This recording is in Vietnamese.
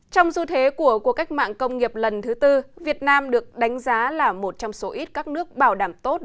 trong du thế của cuộc cách mạng công nghiệp lần thứ tư việt nam được đánh giá là một trong số ít các nước bảo đảm tốt